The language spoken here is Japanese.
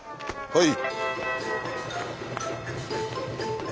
はい。